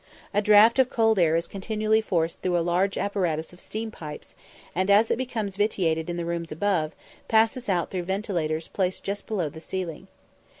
A draught of cold air is continually forced through a large apparatus of steam pipes, and, as it becomes vitiated in the rooms above, passes out through ventilators placed just below the ceiling.